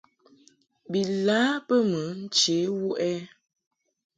Bi lâ bə mɨ nche wuʼ ɛ ?